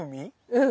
うん。